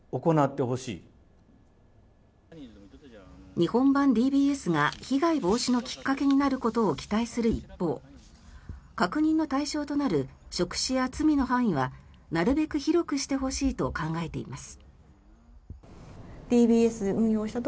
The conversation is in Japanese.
日本版ＤＢＳが被害防止のきっかけになることを期待する一方確認の対象となる職種や罪の範囲はなるべく広くしてほしいと考えています。